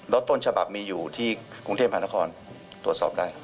และต้นฉบับมีอยู่ที่กรุงเทพธรรมภาคมศาลควรตรวจสอบได้